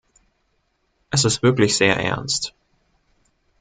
Es ist wirklich sehr ernst.